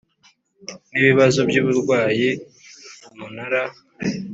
n ibibazo by uburwayi Umunara